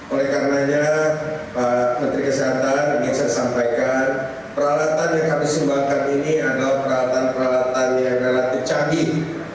oleh karenanya pak menteri kesehatan ingin saya sampaikan peralatan yang kami sumbangkan ini adalah peralatan peralatan yang relatif canggih